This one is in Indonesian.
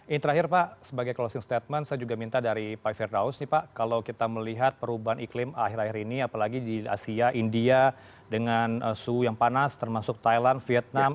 ini terakhir pak sebagai closing statement saya juga minta dari pak firdaus nih pak kalau kita melihat perubahan iklim akhir akhir ini apalagi di asia india dengan suhu yang panas termasuk thailand vietnam